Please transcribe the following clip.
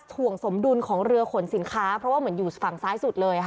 ถ่วงสมดุลของเรือขนสินค้าเพราะว่าเหมือนอยู่ฝั่งซ้ายสุดเลยค่ะ